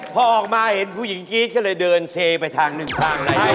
พอออกมาเห็นผู้หญิงกรี๊ดก็เลยเดินเซไปทางหนึ่งทางอะไรอย่างนี้